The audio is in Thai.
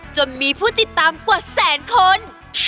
จนมีผู้ติดตามกว่าแสนคน